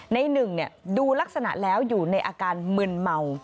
ในหนึ่งดูลักษณะแล้วอยู่ในอาการมึนเมา